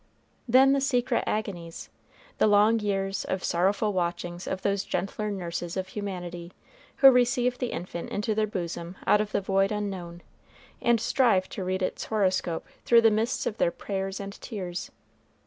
Then the secret agonies, the long years of sorrowful watchings of those gentler nurses of humanity who receive the infant into their bosom out of the void unknown, and strive to read its horoscope through the mists of their prayers and tears!